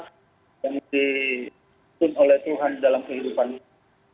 dikumpulkan oleh tuhan dalam kehidupan kita